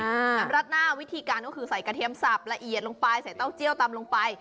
นำราดหน้าวิธีการก็คือใส่เก็บสับระเอียดลงไป